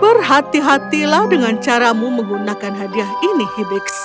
berhati hatilah dengan caramu menggunakan hadiah ini hibis